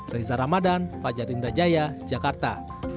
reza ramadan fajar indrajaya jakarta